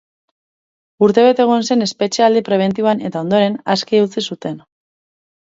Urtebete egon zen espetxealdi prebentiboan eta ondoren, aske utzi zuten.